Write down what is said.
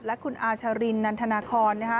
และคุณอาชารินนันทนาคล